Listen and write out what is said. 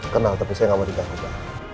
kenal tapi saya nggak mau dikata